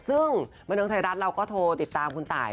ซึ่งบรรเทิงไทยรัฐเราก็โทรติดตามคุณตาย